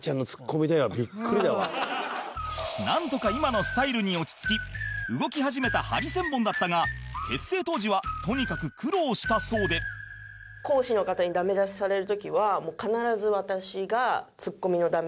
なんとか今のスタイルに落ち着き動き始めたハリセンボンだったが結成当時はとにかく苦労したそうでって言われてて。